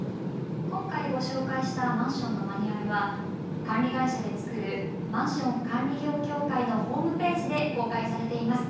今回、ご紹介したマンションのマニュアルは管理会社で作るマンション管理業協会のホームページで公開されています。